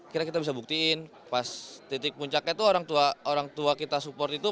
kira kira kita bisa buktiin pas titik puncaknya itu orang tua kita support itu